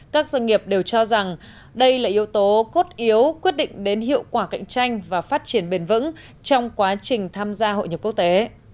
các doanh nghiệp đều cho rằng đây là yếu tố cốt yếu quyết định đến hiệu quả cạnh tranh và phát triển bền vững trong quá trình tham gia hội nhập quốc tế